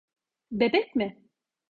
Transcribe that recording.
Bebek mi?